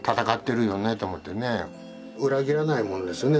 裏切らないものですよね